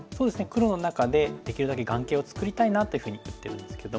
黒の中でできるだけ眼形を作りたいなっていうふうに打ってるんですけども。